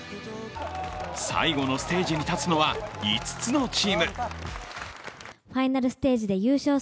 最後のステージに立つのは５つのチーム。